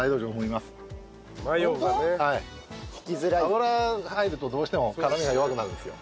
油入るとどうしても辛みが弱くなるんですよ。